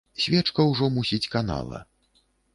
Свечка ўжо мусіць канала.